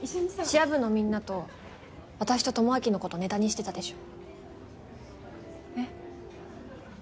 チア部のみんなと私と智明のことネタにしてたでしょ。え。